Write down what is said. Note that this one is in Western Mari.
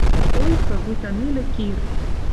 Ойхы, вуйта нелӹ кир.